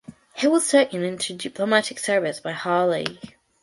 He was taken into diplomatic service by Harley.